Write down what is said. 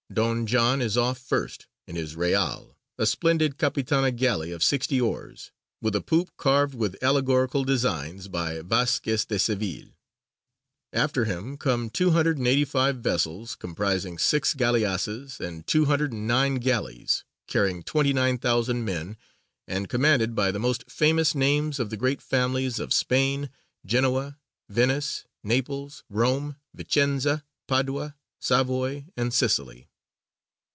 Don John is off first, in his Reale, a splendid capitana galley of sixty oars, with a poop carved with allegorical designs by Vasquez of Seville. After him come two hundred and eighty five vessels, comprising six galleasses and two hundred and nine galleys, carrying twenty nine thousand men, and commanded by the most famous names of the great families of Spain, Genoa, Venice, Naples, Rome, Vicenza, Padua, Savoy, and Sicily.